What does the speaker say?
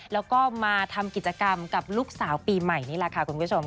แล้วก็มาทำกิจกรรมกับลูกสาวปีใหม่นี่แหละค่ะคุณผู้ชม